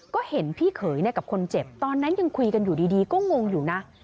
ก็เห็นพี่เขยกับคนเจ็บตอนนั้นยังคุยกันอยู่ดีก็งงอยู่นะ